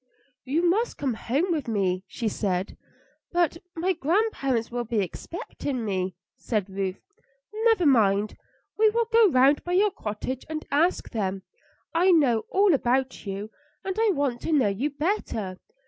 "You must come home with me," she said. "But my grandparents will be expecting me," said Ruth. "Never mind; we will go round by your cottage and ask them. I know all about you, and I want to know you better.